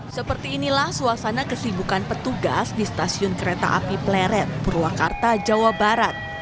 seperti inilah suasana kesibukan petugas di stasiun kereta api pleret purwakarta jawa barat